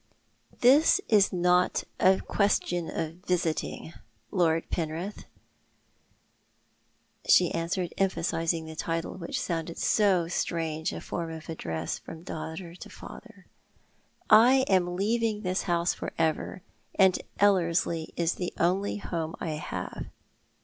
"This is not a question of visiting, Lord Penrith," she answered, emphasising the title, which sounded so strange a form of address from daughter to father. " I am leaving this house for ever, and Ellerslie is the only home I have."